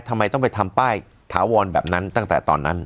ทำไมต้องไปทำป้ายถาวรแบบนั้นตั้งแต่ตอนนั้น